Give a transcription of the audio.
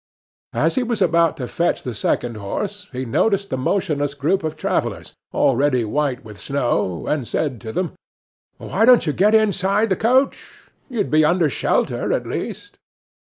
As he was about to fetch the second horse he noticed the motionless group of travellers, already white with snow, and said to them: "Why don't you get inside the coach? You'd be under shelter, at least."